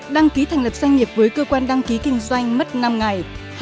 một đăng ký thành lập doanh nghiệp với cơ quan đăng ký kinh doanh mất năm ngày